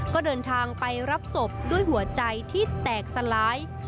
ก็เดินทางไปรับศพด้วยหัวใจที่แตกสลาย